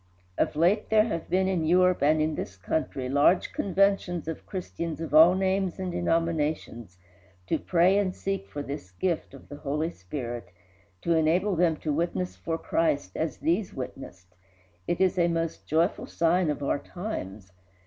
Of late there have been in Europe and in this country large conventions of Christians of all names and denominations to pray and seek for this gift of the Holy Spirit, to enable them to witness for Christ as these witnessed; it is a most joyful sign of our times.